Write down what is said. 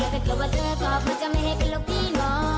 ถ้าเกิดว่าเธอตอบมันจะไม่ให้เป็นลูกพี่น้อง